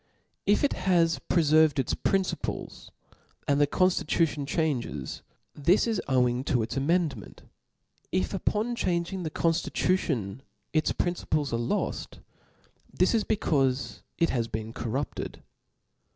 If it has preferred jts principles and the ponftitution changes, this i§ owing to its amend ment ; if upon changing the conftitution its princi ples are loft, this is becaufe it has been corrupted.